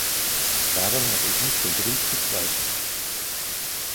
Daran habe ich nicht den geringsten Zweifel.